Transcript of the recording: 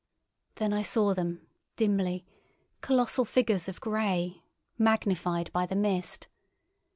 Then I saw them dimly, colossal figures of grey, magnified by the mist.